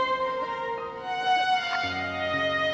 aku mau kemana